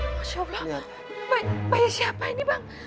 masya allah bayi siapa ini bang